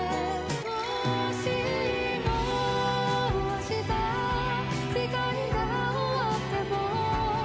「もしも明日世界が終わっても」